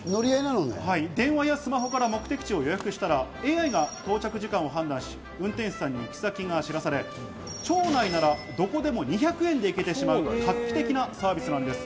電話やスマホから目的地を予約したらＡＩが到着時間を判断し、運転手さんに行き先が知らされ、町内ならどこでも２００円で行けてしまう、画期的なサービスなんです。